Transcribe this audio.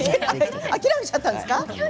諦めちゃったんですか？